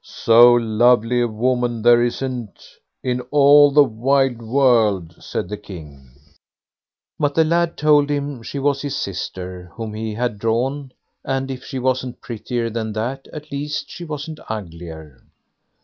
"So lovely a woman there isn't in all the wide world", said the King. But the lad told him she was his sister whom he had drawn, and if she wasn't prettier than that, at least she wasn't uglier.